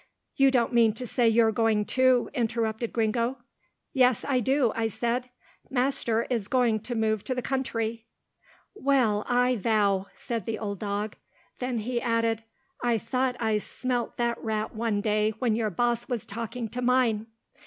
"You don't mean to say you're going, too," interrupted Gringo. "Yes I do," I said, "master is going to move to the country." "Well, I vow," said the old dog. Then he added, "I thought I smelt that rat one day when your boss was talking to mine."